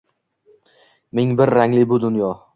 Ming bir rangli bu dunyo